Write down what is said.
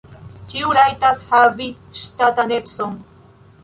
Ĉiu rajtas havi ŝtatanecon.